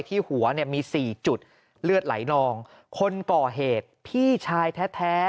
หัวเนี่ยมีสี่จุดเลือดไหลนองคนก่อเหตุพี่ชายแท้